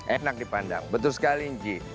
enak dipandang betul sekali inci